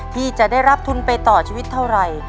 ที่จะได้รับทุนไปต่อชีวิตเท่าไหร่